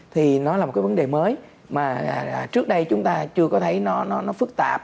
thì nó là một cái vấn đề mới mà trước đây chúng ta chưa có thấy nó phức tạp